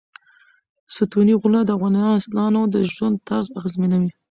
ستوني غرونه د افغانانو د ژوند طرز اغېزمنوي.